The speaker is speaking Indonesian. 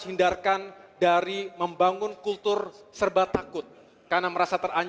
kita memerlukan kekuasaan perubahan